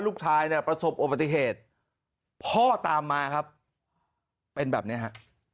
ลูกชายเนี่ยประสบอุบัติเหตุพ่อตามมาครับเป็นแบบเนี้ยฮะ